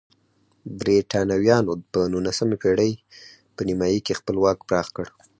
برېټانویانو په نولسمې پېړۍ په نیمایي کې خپل واک پراخ کړ.